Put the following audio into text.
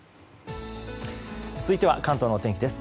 続いては関東のお天気です。